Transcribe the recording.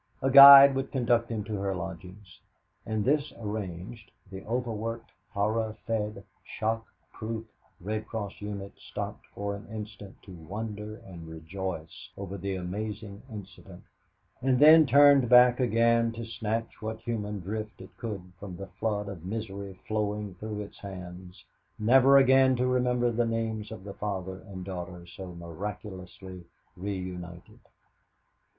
A guide would conduct him to her lodgings. And this arranged, the over worked, horror fed, shock proof Red Cross unit stopped for an instant to wonder and to rejoice over the amazing incident, and then turned back again to snatch what human drift it could from the flood of misery flowing through its hands, never again even to remember the names of the father and daughter so miraculously reunited.